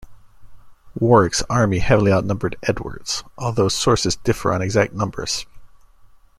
Warwick's army heavily outnumbered Edward's, although sources differ on exact numbers.